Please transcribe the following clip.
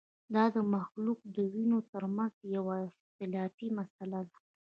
دا د مختلفو دینونو ترمنځه یوه اختلافي مسله ده.